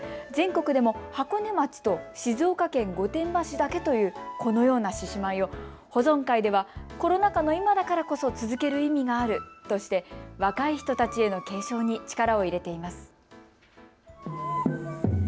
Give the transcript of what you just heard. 全国でも箱根町と静岡県御殿場市だけというこのような獅子舞を保存会では、コロナ禍の今だからこそ続ける意味があるとして若い人たちへの継承に力を入れています。